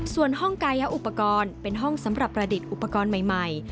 ส่วนห้องกายอุปกรณ์เป็นห้องสำหรับประดิษฐ์อุปกรณ์ใหม่